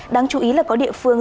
đáng chú ý là có địa phương